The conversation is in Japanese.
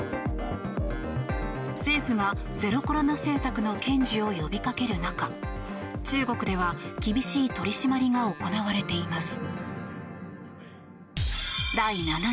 政府がゼロコロナ政策の堅持を呼びかける中中国では厳しい取り締まりが行われています。